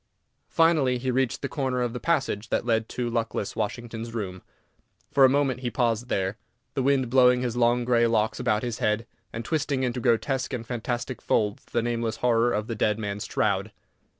Finally he reached the corner of the passage that led to luckless Washington's room. For a moment he paused there, the wind blowing his long grey locks about his head, and twisting into grotesque and fantastic folds the nameless horror of the dead man's shroud.